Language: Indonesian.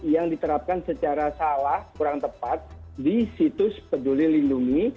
yang diterapkan secara salah kurang tepat di situs peduli lindungi